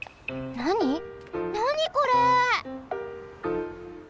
なにこれ！